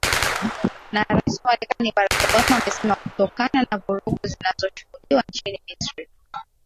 na rais wa marekani barack obama amesema kutokana na vurugu zinazo shuhudiwa nchini misri